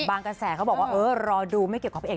กระแสเขาบอกว่าเออรอดูไม่เกี่ยวกับพระเอก